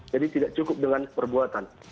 jadi tidak cukup dengan perbuatan